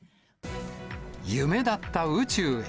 夢だった宇宙へ。